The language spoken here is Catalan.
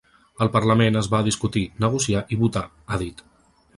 Al parlament es va a discutir, negociar i votar, ha dit.